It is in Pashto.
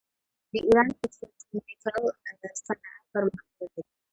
د ایران پتروکیمیکل صنعت پرمختللی دی.